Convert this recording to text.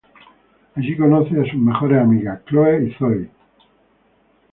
Allí conoce a sus mejores amigas: Chloe y Zoey.